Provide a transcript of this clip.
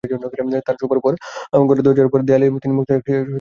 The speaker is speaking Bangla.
তাঁর শোবার ঘরের দরজার পাশের দেয়ালে তিনি মুক্তিযুদ্ধের একটি দৃশ্য এঁকেছেন।